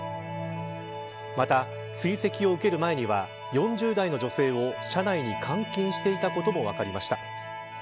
また、追跡を受ける前には４０代の女性を車内に監禁していたことも分かりました。